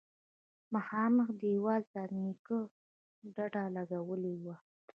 مخامخ دېوال ته نيکه ډډه لگولې وه.